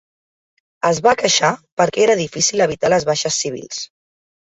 Es va queixar perquè era difícil evitar les baixes civils.